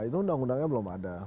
itu undang undangnya belum ada